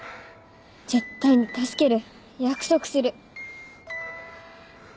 絶対に助ける約束する。